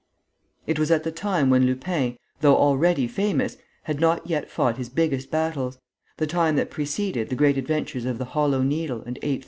It was at the time when Lupin, though already famous, had not yet fought his biggest battles; the time that preceded the great adventures of The Hollow Needle and 813.